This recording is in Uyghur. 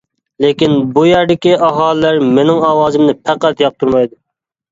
لېكىن بۇ يەردىكى ئاھالىلەر مىنىڭ ئاۋازىمنى پەقەت ياقتۇرمايدۇ.